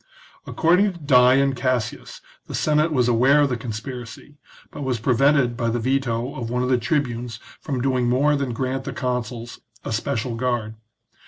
According to Dion Cassius the Senate was aware of the con spiracy, but was prevented by the veto of one of the tribunes from doing more than grant the consuls a special guard.